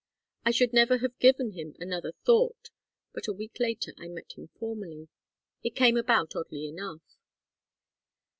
I should never have given him another thought, but a week later I met him formally. It came about oddly enough.